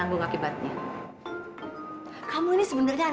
apa itu pak